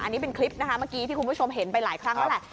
อันนี้เป็นคลิปที่คุณผู้ชมเห็นไปหลายครั้งแล้ว